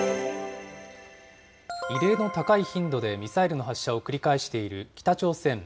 異例の高い頻度でミサイルの発射を繰り返している北朝鮮。